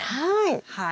はい。